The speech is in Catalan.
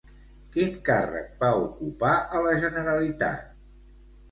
Quin càrrec va ocupar a la Generalitat?